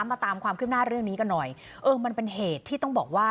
มาตามความคืบหน้าเรื่องนี้กันหน่อยเออมันเป็นเหตุที่ต้องบอกว่า